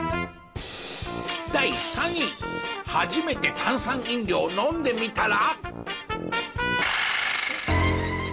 第３位初めて炭酸飲料を飲んでみたら。